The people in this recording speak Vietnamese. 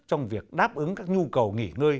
trong việc đáp ứng các nhu cầu nghỉ ngơi